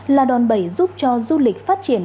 là đòn bẩy giúp cho du lịch phát triển